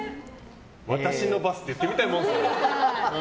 私のバスって言ってみたいもん。